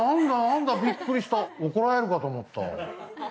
びっくりした、怒られるかと思った。